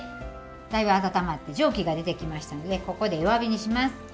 だいぶ温まって蒸気が出てきましたのでここで弱火にします。